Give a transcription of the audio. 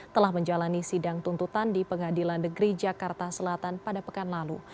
telah menjalani sidang tuntutan di pengadilan negeri jakarta selatan pada pekan lalu